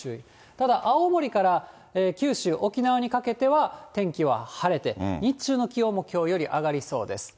ただ青森から九州、沖縄にかけては、天気は晴れて、日中の気温もきょうより上がりそうです。